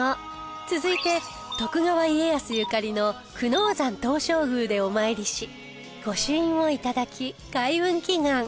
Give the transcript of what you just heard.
続いて徳川家康ゆかりの久能山東照宮でお参りし御朱印を頂き開運祈願